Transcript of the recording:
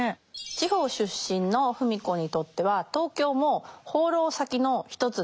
地方出身の芙美子にとっては東京も放浪先の一つです。